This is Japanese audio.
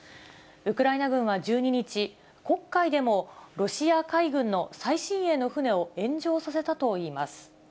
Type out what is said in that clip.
ウクライナ軍は１２日、黒海でもロシア海軍の最新鋭の船を炎上させたといいます。